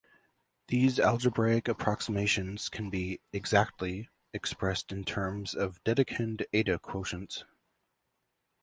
These algebraic approximations can be "exactly" expressed in terms of Dedekind eta quotients.